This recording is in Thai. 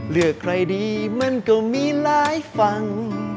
เลือกใครดีมันก็มีหลายฝั่ง